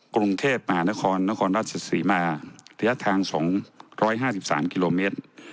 กรุงเทพมหานครนครราชศรีมาระยะทาง๒๕๓กิโลเมตร